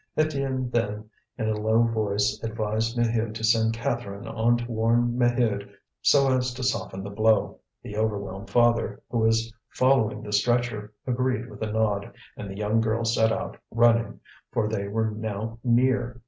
Étienne then in a low voice advised Maheu to send Catherine on to warn Maheude so as to soften the blow. The overwhelmed father, who was following the stretcher, agreed with a nod; and the young girl set out running, for they were now near.